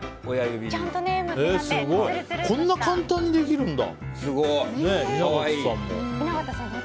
こんな簡単にできるんだ。